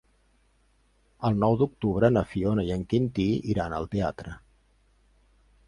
El nou d'octubre na Fiona i en Quintí iran al teatre.